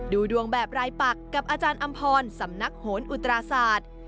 ดูดวงแบบรายปักกับอาจารย์อำพรสำนักโหนอุตราศาสตร์